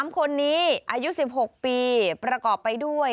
๓คนนี้อายุ๑๖ปีประกอบไปด้วย